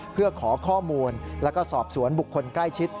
เพื่อขอข้อมูลแล้วก็สอบสวนบุคคลใกล้ชิด